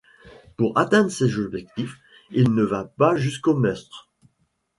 Pour atteindre ses objectifs il ne va pas jusqu'au meurtre.